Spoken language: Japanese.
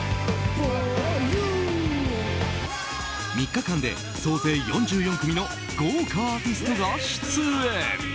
３日間で総勢４４組の豪華アーティストが出演。